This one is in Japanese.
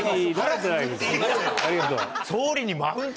ありがとう。